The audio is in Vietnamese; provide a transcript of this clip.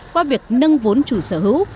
qua việc nâng vốn chủ sở hữu